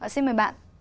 xin mời bạn